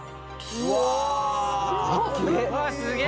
「うわっすげえ！」